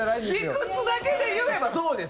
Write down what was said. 理屈だけで言えばそうですよ。